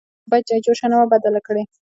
_تا بايد چايجوشه نه وای بدله کړې.